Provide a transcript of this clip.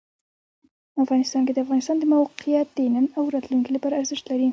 افغانستان کې د افغانستان د موقعیت د نن او راتلونکي لپاره ارزښت لري.